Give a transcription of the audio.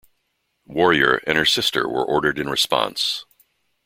"Warrior" and her sister were ordered in response.